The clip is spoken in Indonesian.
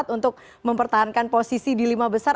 untuk mempertahankan posisi di lima besar